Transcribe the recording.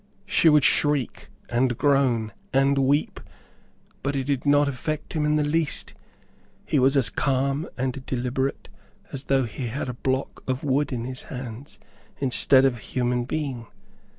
She would shriek, and groan, and weep, but it did not affect him in the least. He was as calm, and deliberate as though he had a block of wood in his hands, instead of a human being.